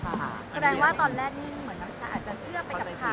แสดงว่าตอนแรกนี่เหมือนน้ำชาอาจจะเชื่อไปกับข่าว